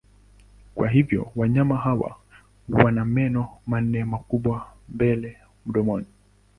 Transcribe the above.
Kwa hivyo wanyama hawa wana meno manne makubwa mbele mdomoni.